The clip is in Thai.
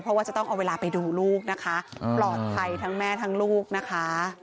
เพราะว่าจะต้องเอาเวลาไปดูลูกนะคะปลอดภัยทั้งแม่ทั้งลูกนะคะ